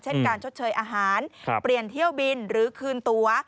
เช่นการชดเชยอาหารเปลี่ยนเที่ยวบินหรือคืนตัว